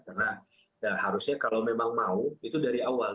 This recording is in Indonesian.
karena harusnya kalau memang mau itu dari awal